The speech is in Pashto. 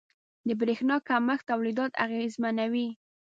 • د برېښنا کمښت تولیدات اغېزمنوي.